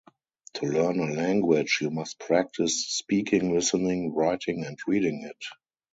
To learn a language, you must practice speaking, listening, writing, and reading it.